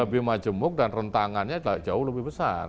lebih majemuk dan rentangannya jauh lebih besar